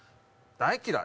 大嫌い。